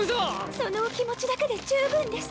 そのお気持ちだけで十分です。